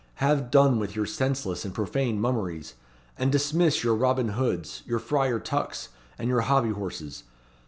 Have done with your senseless and profane mummeries; and dismiss your Robin Hoods, your Friar Tucks, and your Hobby horses.